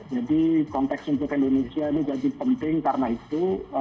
jadi konteks untuk indonesia ini jadi penting karena itu